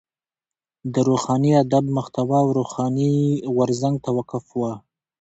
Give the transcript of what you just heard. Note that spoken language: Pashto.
د روښاني ادب محتوا و روښاني غورځنګ ته وقف وه.